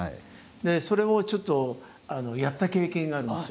それをちょっとやった経験があるんですよ。